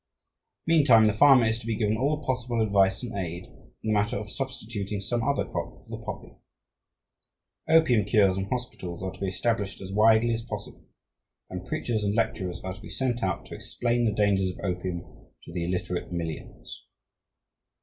Meantime, the farmer is to be given all possible advice and aid in the matter of substituting some other crop for the poppy; opium cures and hospitals are to be established as widely as possible; and preachers and lecturers are to be sent out to explain the dangers of opium to the illiterate millions.